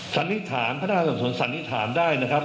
สันนิษฐานพนักงานสอบสวนสันนิษฐานได้นะครับ